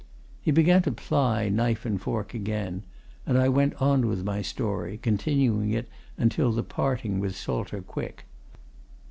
He began to ply knife and fork again, and I went on with my story, continuing it until the parting with Salter Quick.